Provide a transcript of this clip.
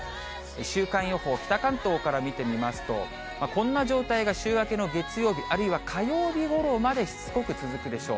週間予報、北関東から見てみますと、こんな状態が週明けの月曜日、あるいは火曜日ごろまでしつこく続くでしょう。